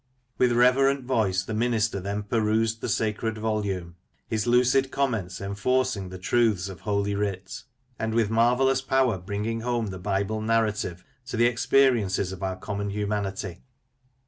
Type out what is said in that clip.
With reverent voice the minister then perused the sacred volume; his lucid comments enforcing the truths of Holy Writ, and with marvellous power bringing home the Bible narrative to the 92 Lancashire Characters and Places, experiences of our common humanity.